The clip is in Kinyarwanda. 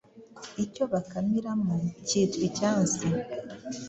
Icyo bakamiramo cyitwa Icyansi